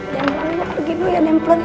jangan nengis pergi dulu ya